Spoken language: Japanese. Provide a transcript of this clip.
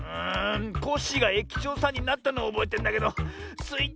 コッシーがえきちょうさんになったのはおぼえてんだけどスイ